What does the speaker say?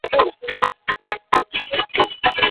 د اکسیجن تولیدونکې دستګاه څنګه کار کوي؟